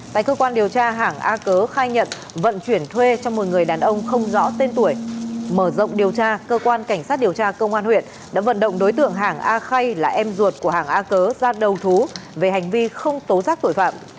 tại cơ quan điều tra hàng a cớ khai nhận vận chuyển thuê cho một người đàn ông không rõ tên tuổi mở rộng điều tra cơ quan cảnh sát điều tra công an huyện đã vận động đối tượng hàng a khay là em ruột của hàng a cớ ra đầu thú về hành vi không tố giác tội phạm